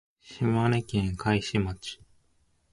島根県海士町